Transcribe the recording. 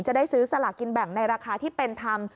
จะได้ซื้อสลากินแบ่งในราคาที่เป็นธรรม